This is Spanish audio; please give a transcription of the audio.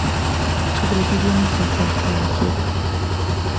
Su presidium se encuentra en Kiev.